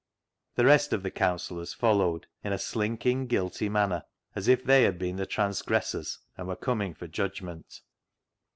The rest of the counsellors followed in a slinking, guilty manner, as if they had been the transgressors and were coming for judgment.